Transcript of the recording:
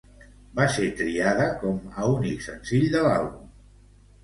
Va ser triada com a únic senzill de l'àlbum.